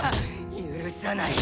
許さない。